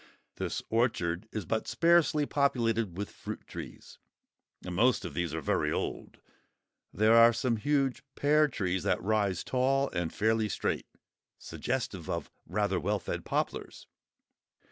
This orchard is but sparsely populated with fruit trees, and most of these are very old. There are some huge pear trees that rise tall and fairly straight, suggestive of rather well fed poplars.